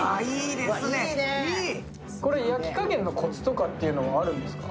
焼き加減のコツとかいうのはあるんですか？